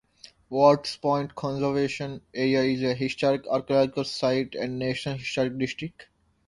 Ward's Point Conservation Area is a historic archaeological site and national historic district.